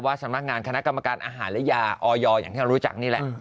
สำนักงานคณะกรรมการอาหารและยาออยอย่างที่เรารู้จักนี่แหละ